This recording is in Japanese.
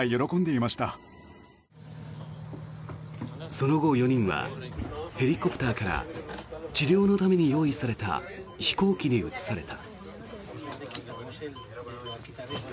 その後４人はヘリコプターから治療のために用意された飛行機に移された。